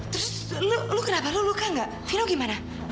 terus lu kenapa lu luka nggak vino gimana